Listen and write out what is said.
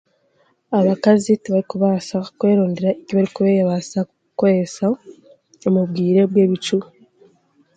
Abakazi tibarikubaasa kwerondera, tibarikwebaasa kweso omu bwire bw'ebicu..